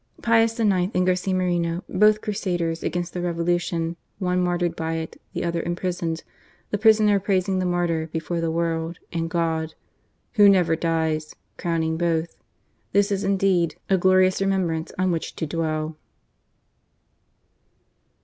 Pius IX. and Garcia Moreno, both crusaders against the Revolution, one martyred by it, the other imprisoned, the prisoner praising the martyr before the world — and God, Who never dies," crowning both — ^this is indeed a glorious remem brance on which to dwell.